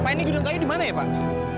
pak ini gudang kayu dimana ya pak